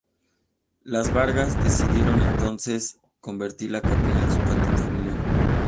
Los Vargas decidieron entonces convertir la capilla en su panteón familiar.